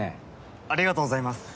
ありがとうございます。